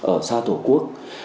ở xa thổ quốc